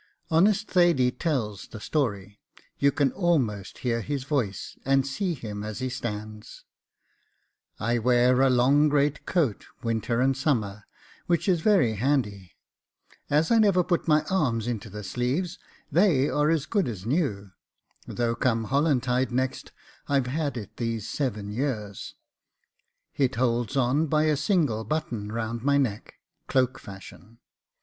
Honest Thady tells the story; you can almost hear his voice, and see him as he stands: 'I wear a long greatcoat winter and summer, which is very handy, as I never put my arms into the sleeves; they are as good as new, though come Holantide next I've had it these seven years: it holds on by a single button round my neck, cloak fashion.